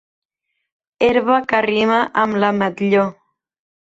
Herba que rima amb l'ametlló.